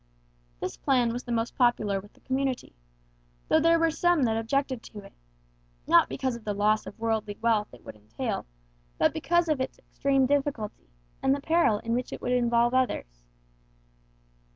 This plan was the most popular with the community; though there were some that objected to it, not because of the loss of worldly wealth it would entail, but because of its extreme difficulty, and the peril in which it would involve others.